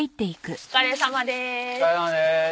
お疲れさまでーす。